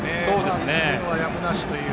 １点はやむなしという。